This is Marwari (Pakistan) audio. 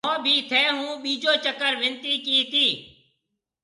مهون بي ٿَي هون ٻيجو چڪر ونتي ڪِي تي۔